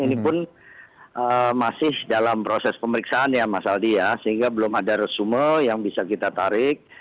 ini pun masih dalam proses pemeriksaan ya mas aldi ya sehingga belum ada resume yang bisa kita tarik